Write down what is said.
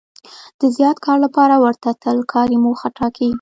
د زیات کار لپاره ورته تل کاري موخه ټاکي.